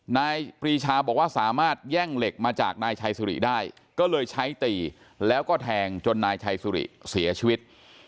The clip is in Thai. นายปรีชาบอกว่าสามารถแย่งเหล็กมาจากนายชัยสุริได้ก็เลยใช้ตีแล้วก็แทงจนนายชัยสุริเสียชีวิต